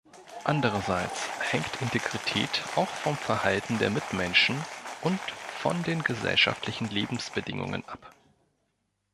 Andererseits hängt Integrität auch vom Verhalten der Mitmenschen und von den gesellschaftlichen Lebensbedingungen ab.